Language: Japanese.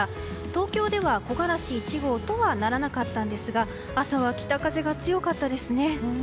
東京では木枯らし１号とはならなかったんですが朝は北風が強かったですね。